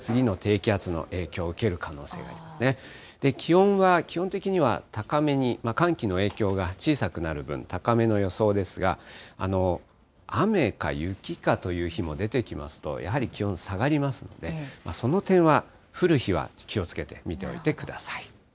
気温は基本的には高めに、寒気の影響が小さくなる分、高めの予想ですが、雨か雪かという日も出てきますと、やはり気温下がりますので、その点は降る日は気をつけて見ておいてください。